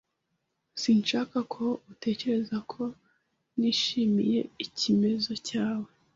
Sinshaka ko utekereza ko ntishimiye icyemezo cyawe.